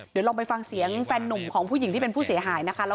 เดี๋ยวลองไปฟังเสียงแฟนนุ่มของผู้หญิงที่เป็นผู้เสียหายนะคะ